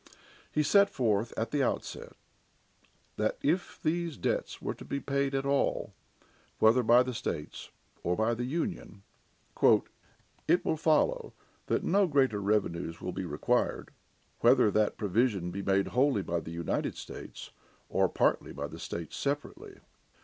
He set forth at the outset that if these debts were to be paid at all, whether by the states or by the Union, "it will follow that no greater revenues will be required, whether that provision be made wholly by the United States, or partly by the states separately."